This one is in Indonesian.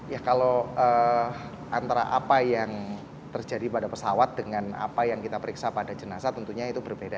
ya kalau antara apa yang terjadi pada pesawat dengan apa yang kita periksa pada jenazah tentunya itu berbeda